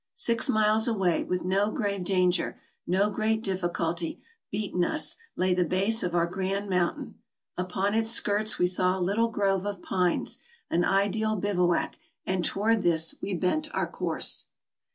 Six miles away, with no grave danger, no great difficulty, between us, lay the base of our grand mountain. Upon its skirts we saw a little grove of pines, an ideal bivouac, and toward this we bent our course.